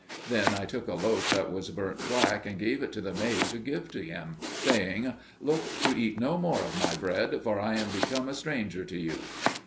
'" Then I took a loaf that was burnt black and gave it to the maid to give to him, saying, "Look to eat no more of my bread, for I am become a stranger to you."